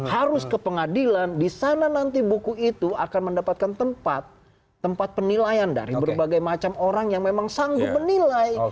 harus ke pengadilan di sana nanti buku itu akan mendapatkan tempat tempat penilaian dari berbagai macam orang yang memang sanggup menilai